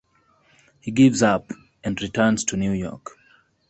He gives up and returns to New York.